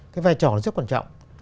cái vai trò rất quan trọng